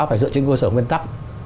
phải dựa trên cơ sở nguyên tắc